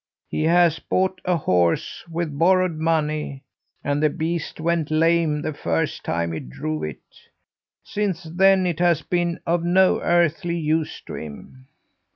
He has bought a horse with borrowed money, and the beast went lame the first time he drove it. Since then it has been of no earthly use to him.